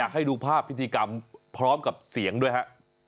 ให้ดูภาพพิธีกรรมพร้อมกับเสียงด้วยฮะ